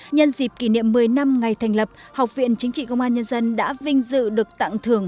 nhân dịp kỷ niệm một mươi năm ngày thành lập học viện chính trị công an nhân dân đã vinh dự được tặng thưởng